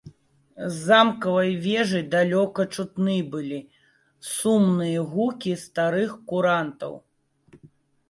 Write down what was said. З замкавай вежы далёка чутны былі сумныя гукі старых курантаў.